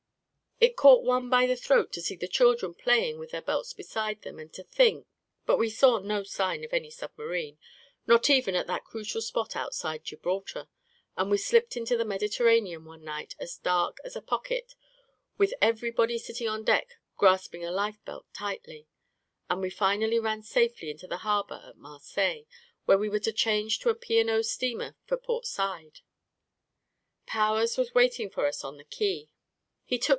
It caught one by the throat to see the children playing with their belts beside them, and to think ... But we saw no sign of any submarine, not even at that crucial spot outside Gibraltar; and we slipped into the Mediterranean one night as dark as a pocket with everybody sitting on deck grasping a life belt tightly; and we finally ran safely into the harbor at Marseilles, where we were to change to a IP. & O. steamer for Port Said. Powers was waiting for us on the quay. He took